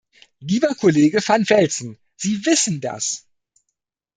Lieber Kollege van Velzen, Sie wissen das.